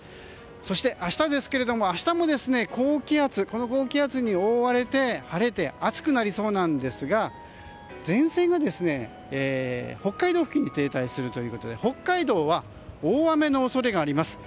そして、明日もこの高気圧に覆われて晴れて暑くなりそうですが前線が北海道付近に停滞するということで北海道は大雨の恐れがあります。